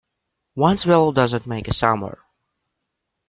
One swallow does not make a summer.